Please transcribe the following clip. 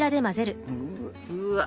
うわっ！